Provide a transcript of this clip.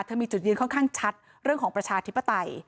มีจุดยืนค่อนข้างชัดเรื่องของประชาธิปไตย